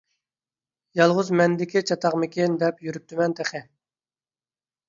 يالغۇز مەندىكى چاتاقمىكىن دەپ يۈرۈپتىمەن تېخى.